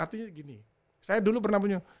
artinya gini saya dulu pernah punya